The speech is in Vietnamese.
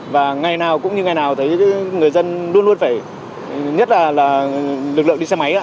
và ngày nào cũng như ngày nào thấy người dân luôn luôn phải nhất là lực lượng đi xe máy